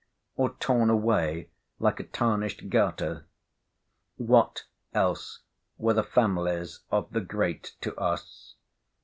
or torn away like a tarnished garter? What, else, were the families of the great to us?